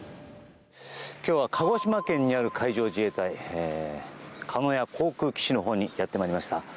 今日は、鹿児島県にある海上自衛隊鹿屋航空基地のほうにやってまいりました。